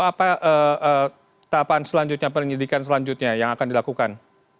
apa tahapan selanjutnya penyelidikan selanjutnya yang akan dilakukan